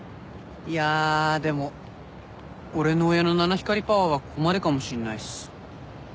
いやでも俺の親の七光りパワーはここまでかもしんないっす。